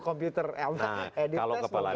komputer edit test nah kalau kepala